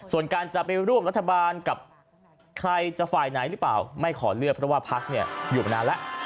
ส่วนการจะไปร่วมรัฐบาลกับใครจะฝ่ายไหนหรือเปล่าไม่ขอเลือกเพราะว่าพักเนี่ยอยู่มานานแล้ว